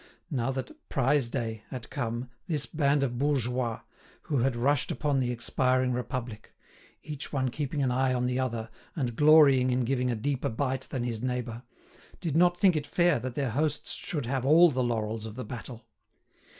Now that "prize day" had come this band of bourgeois, who had rushed upon the expiring Republic—each one keeping an eye on the other, and glorying in giving a deeper bite than his neighbour—did not think it fair that their hosts should have all the laurels of the battle.